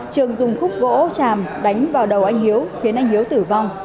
trường dùng khúc gỗ tràm đánh vào đầu anh hiếu khiến anh hiếu tử vong